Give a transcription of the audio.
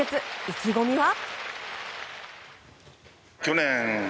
意気込みは。